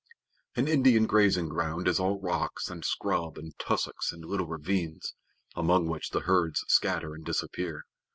An Indian grazing ground is all rocks and scrub and tussocks and little ravines, among which the herds scatter and disappear.